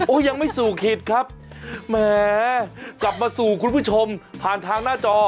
ยังไม่สู่ขิตครับแหมกลับมาสู่คุณผู้ชมผ่านทางหน้าจอ